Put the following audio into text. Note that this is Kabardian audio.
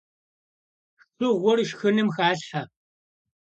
Шыгъур шхыным халъхьэ.